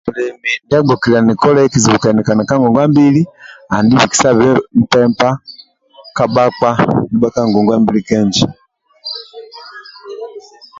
Mulemi ndia agbokiliani kolai kazibikanisa ka mbili andi bikisabe mpempa ka bhakpa ndibha ka ngonguwa mbili kenjo.